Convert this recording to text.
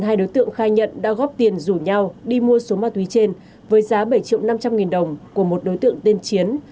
hai đối tượng khai nhận đã góp tiền rủ nhau đi mua số ma túy trên với giá bảy triệu năm trăm linh nghìn đồng của một đối tượng tên chiến